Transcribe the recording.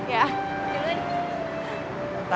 ya apa kabar